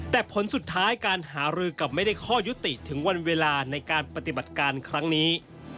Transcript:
แต่ผลสุดท้ายการหารือกับไม่ได้ข้อยุติถึงวันเวลาในการปฏิบัติการครั้งนี้